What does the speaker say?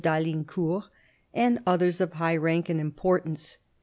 d'Alincourt, and others of high rank and importance.